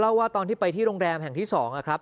เธอเล่าว่าทำที่ไปที่โรงแรมแห่งที่สองครับ